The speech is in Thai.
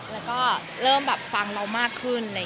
แล้วก็เริ่มแบบฟังเรามากขึ้น